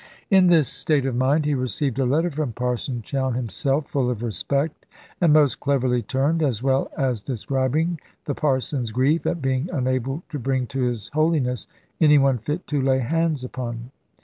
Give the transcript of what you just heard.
In this state of mind he received a letter from Parson Chowne himself, full of respect, and most cleverly turned, as well as describing the Parson's grief at being unable to bring to his holiness any one fit to lay hands upon.